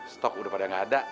stok udah pada nggak ada